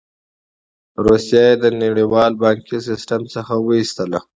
روسیه یې د نړیوال بانکي سیستم څخه وویستله.